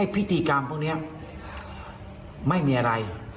พิธีกรรมพวกนี้ไม่มีอะไร